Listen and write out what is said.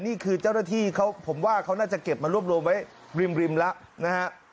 นี่คือเจ้าหน้าที่เขาผมว่าเขาน่าจะเก็บมารวบรวมไว้ริมแล้วนะฮะ